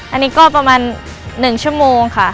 อันนี้ก็ประมาณ๑ชั่วโมงค่ะ